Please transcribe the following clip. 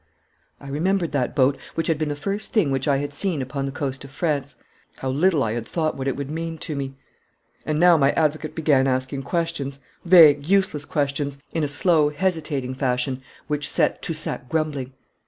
I remembered that boat, which had been the first thing which I had seen upon the coast of France. How little I had thought what it would mean to me! And now my advocate began asking questions vague, useless questions in a slow, hesitating fashion which set Toussac grumbling.